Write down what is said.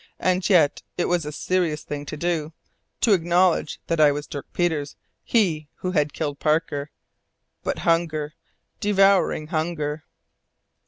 And yet, it was a serious thing to do to acknowledge that I was Dirk Peters, he who had killed Parker! But hunger, devouring hunger!"